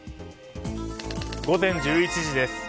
午前１１時です。